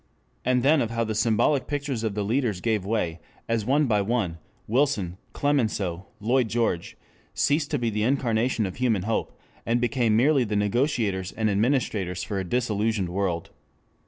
And then of how the symbolic pictures of the leaders gave way, as one by one, Wilson, Clemenceau, Lloyd George, ceased to be the incarnation of human hope, and became merely the negotiators and administrators for a disillusioned world.